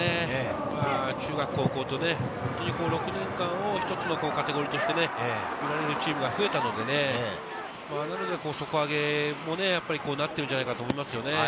中学高校と、６年間を一つのカテゴリーとして、見るチームが増えたので、なので底上げにもなっているんじゃないかなと思います。